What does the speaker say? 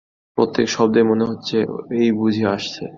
প্রত্যেক শব্দেই মনে হচ্ছে ঐ বুঝি আসছে।